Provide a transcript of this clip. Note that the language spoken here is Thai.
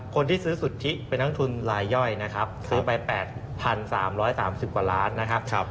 คนที่ซื้อสุทธิเป็นนักทุนลายย่อยนะครับซื้อไป๘๓๓๐กว่าล้านนะครับ